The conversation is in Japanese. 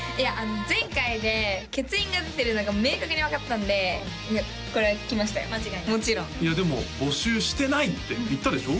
前回で欠員が出てるのが明確に分かったんでいやこれ来ましたよもちろん間違いないいやでも募集してないって言ったでしょ？